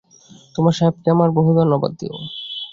তোমার সাহেবকে আমার বহু ধন্যবাদ দিও।